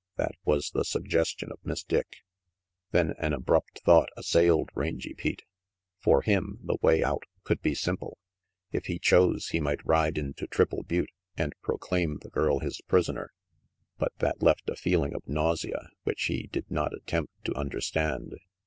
That was the suggestion of Miss Dick. Then an abrupt thought assailed Rangy Pete. For him, the way out could be si iiple. If he chose, he might ride into Triple Butte and proclai n the girl his prisoner. But that left a feeling of nausea which he did not attempt to understand.